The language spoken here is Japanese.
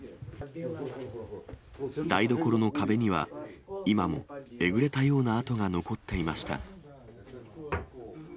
台所の壁には、今もえぐれたような跡が残っていました。